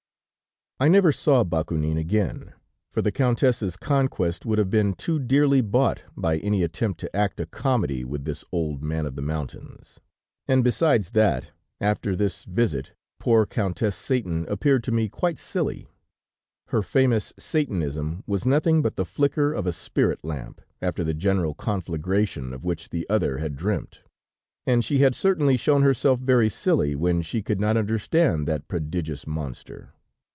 "I never saw Bakounine again, for the Countess's conquest would have been too dearly bought by any attempt to act a comedy with this Old Man of the Mountains. And besides that, after this visit, poor Countess Satan appeared to me quite silly. Her famous Satanism was nothing but the flicker of a spirit lamp, after the general conflagration of which the other had dreamt, and she had certainly shown herself very silly, when she could not understand that prodigious monster.